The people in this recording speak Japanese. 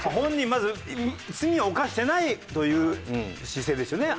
まず罪を犯してないという姿勢ですよね